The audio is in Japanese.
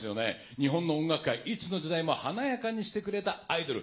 日本の音楽界、いつの時代も華やかにしてくれたアイドル。